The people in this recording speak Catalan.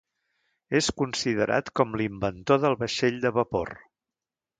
És considerat com l'inventor del vaixell de vapor.